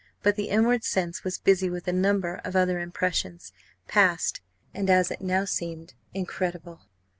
But the inward sense was busy with a number of other impressions, past, and, as it now seemed, incredible.